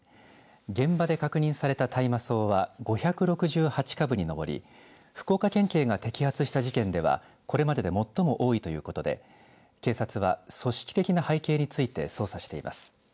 現場で確認された大麻草は５６８株に上り福岡県警が摘発した事件ではこれまでで最も多いということで警察は組織的な背景について捜査しています。